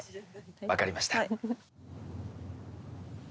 分かりました。